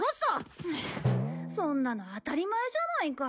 そんなの当たり前じゃないか。